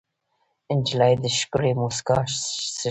نجلۍ د ښکلې موسکا څښتنه ده.